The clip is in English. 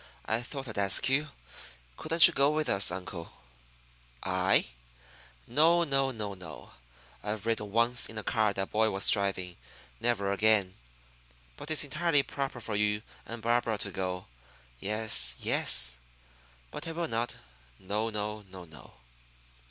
"I thought I'd ask you. Couldn't you go with us, uncle?" "I? No, no, no, no! I've ridden once in a car that boy was driving. Never again! But it's entirely proper for you and Barbara to go. Yes, yes. But I will not. No, no, no, no!"